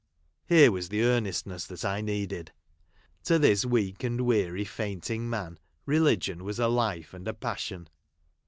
Here was the earnestness I needed. To this weak and weary fainting man, religion \vas a life and a passion.